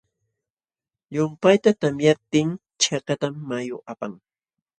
Llumpayta tamyaptin chakatam mayu apan.